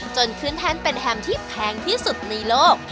จนขึ้นแท่นเป็นแฮมที่แพงที่สุดในโลก